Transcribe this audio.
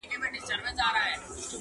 بس کارونه وه د خدای حاکم د ښار سو،